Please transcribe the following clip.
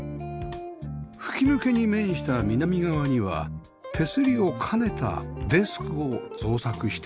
吹き抜けに面した南側には手すりを兼ねたデスクを造作しています